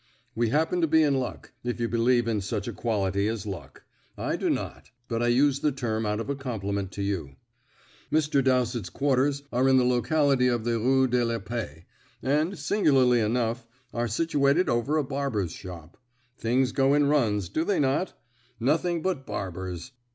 We happen to be in luck, if you believe in such a quality as luck. I do not; but I use the term out of compliment to you. Mr. Dowsett's quarters are in the locality of the Rue de la Paix, and, singularly enough, are situated over a barber's shop. Things go in runs, do they not? Nothing but barbers.